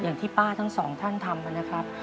อย่างที่ป้าทั้งสองท่านทำนะครับ